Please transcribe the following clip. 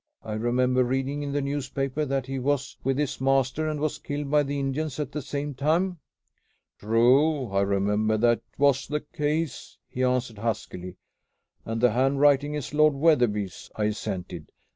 I remember reading in the newspaper that he was with his master, and was killed by the Indians at the same time." "True. I remember that that was the case," he answered huskily. "And the handwriting is Lord Wetherby's." I assented.